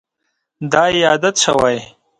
دا یې عادت شوی.